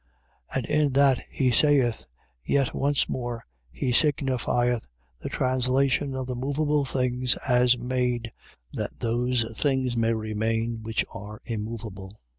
12:27. And in that he saith: Yet once more, he signifieth the translation of the moveable things as made, that those things may remain which are immoveable.